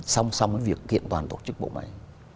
song song với việc kiện toàn tổ chức bộ máy